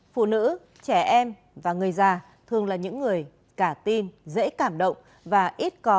phụ nữ trẻ em và người già thường là những người cả tin dễ cảm động và ít có